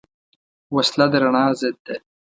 وسله د رڼا ضد ده